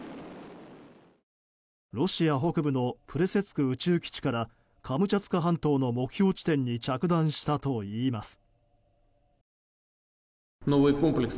ロシア北部のプレセツク宇宙基地からカムチャツカ半島の目標地点に着弾したといいます。